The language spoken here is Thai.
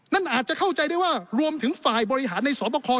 นั่นอาจจะเข้าใจได้ว่ารวมถึงฝ่ายบริหารในสอบคอ